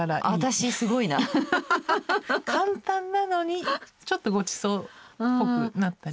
簡単なのにちょっとごちそうっぽくなったり。